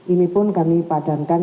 ini pun kami padankan